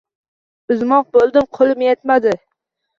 Uzmoq bo‘ldim — qo‘lim yetmadi.